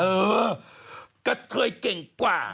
เออกระเทยเก่งกว่า